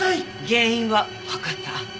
原因はわかった。